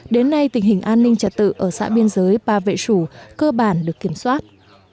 đến nay tình hình an ninh trật tự ở xã biên giới ba vệ sủ cơ bản được kiểm soát